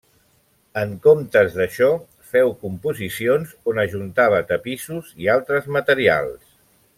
En comptes d'això, feu composicions on ajuntava tapissos i altres materials.